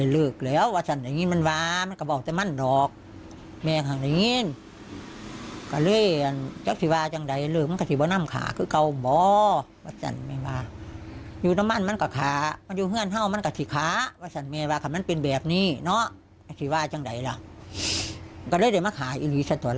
เรอได้มาขายอีหรี่ฉันตัวแล้วจังแล้ว